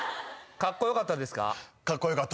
カッコ良かったです。